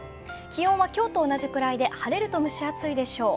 気温は今日と同じくらいで、晴れると蒸し暑いでしょう。